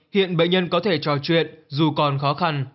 hiện bệnh nhân có thể trò chuyện dù còn khó khăn